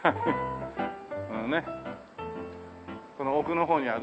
このねこの奥の方にあるんでしょう。